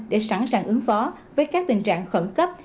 để sẵn sàng ứng phó với các tình trạng khẩn cấp